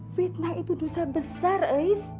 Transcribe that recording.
fitnah itu dosa besar ais